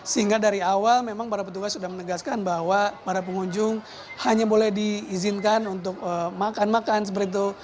sehingga dari awal memang para petugas sudah menegaskan bahwa para pengunjung hanya boleh diizinkan untuk makan makan seperti itu